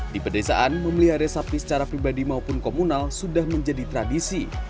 di pedesaan memelihara sapi secara pribadi maupun komunal sudah menjadi tradisi